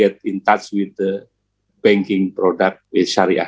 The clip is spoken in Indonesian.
untuk mendapatkan hubungan dengan produk bank dengan shariah